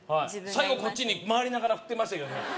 最後こっちに回りながら振ってましたけどね